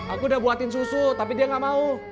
aku udah buatin susu tapi dia gak mau